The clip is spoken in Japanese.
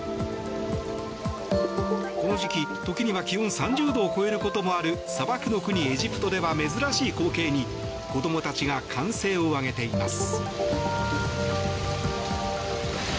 この時期、時には気温３０度を超えることもある砂漠の国、エジプトでは珍しい光景に、子どもたちが歓声を上げています。